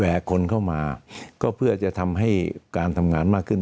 คนเข้ามาก็เพื่อจะทำให้การทำงานมากขึ้น